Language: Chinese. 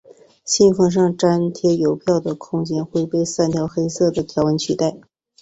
信封上张贴邮票的空间会被三条黑色的条纹取代。